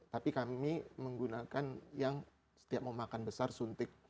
tapi kami menggunakan yang setiap mau makan besar suntik